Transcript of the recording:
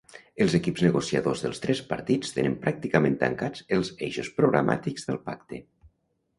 Els equips negociadors dels tres partits tenen pràcticament tancats els eixos programàtics del pacte.